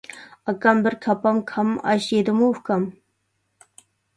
ئاكام بىر كاپام كام ئاش يېدىمۇ ئۇكام؟